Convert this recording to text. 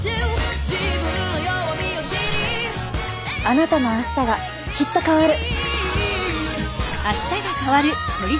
あなたの明日がきっと変わる。